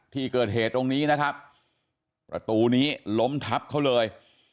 ที่เกิดเหตุตรงนี้นะครับประตูนี้ล้มทับเขาเลย